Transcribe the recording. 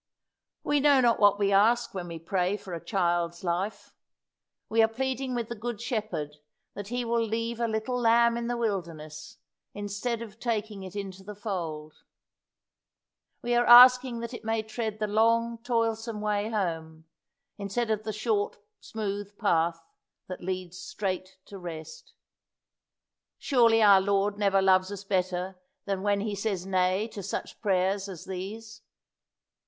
We know not what we ask when we pray for a child's life. We are pleading with the Good Shepherd that He will leave a little lamb in the wilderness instead of taking it into the fold. We are asking that it may tread the long, toilsome way home, instead of the short, smooth path that leads straight to rest. Surely our Lord never loves us better than when He says nay to such prayers as these.